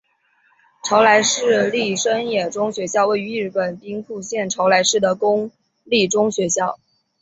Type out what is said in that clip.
朝来市立生野中学校位于日本兵库县朝来市的公立中学校。